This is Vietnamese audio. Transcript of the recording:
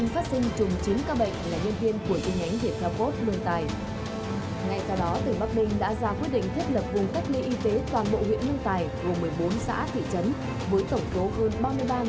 tỉnh bắc ninh đã quyết định từ giờ ngày năm tháng chín